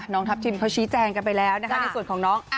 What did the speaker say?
ทัพทิมเขาชี้แจงกันไปแล้วนะคะในส่วนของน้อง